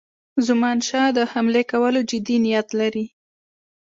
زمانشاه د حملې کولو جدي نیت لري.